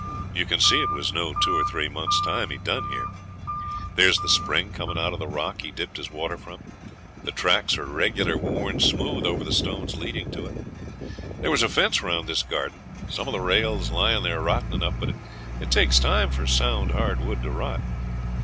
You can see it was no two or three months' time he done here. There's the spring coming out of the rock he dipped his water from. The track's reg'lar worn smooth over the stones leading to it. There was a fence round this garden, some of the rails lying there rotten enough, but it takes time for sound hard wood to rot.